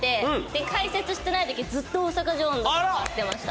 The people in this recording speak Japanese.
で解説してない時ずっと大阪城のとこ回ってました。